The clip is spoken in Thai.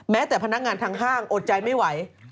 แต่พนักงานทางห้างอดใจไม่ไหว